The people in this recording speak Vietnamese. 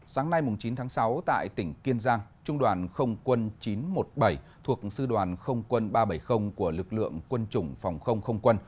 sáng nay chín tháng sáu tại tỉnh kiên giang trung đoàn không quân chín trăm một mươi bảy thuộc sư đoàn không quân ba trăm bảy mươi của lực lượng quân chủng phòng không không quân